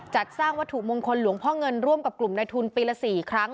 จัดสร้างวัตถุมงคลหลวงพ่อเงินร่วมกับกลุ่มในทุนปีละ๔ครั้ง